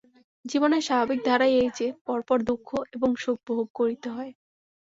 জীবনের স্বাভাবিক ধারাই এই যে, পর পর দুঃখ এবং সুখ ভোগ করিতে হয়।